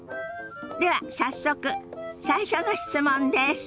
では早速最初の質問です。